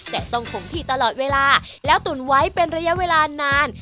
แต่ต้องคงที่ตลอดเวลาแล้วตุ๋นไว้เป็นระยะเวลานาน